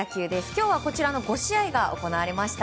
今日はこちらの５試合が行われました。